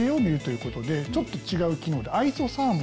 ちょっと違う機能で。